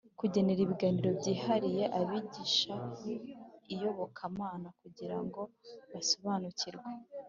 Kugenera ibiganiro byihariye abigisha iyobokamana kugira ngo basobanukirwe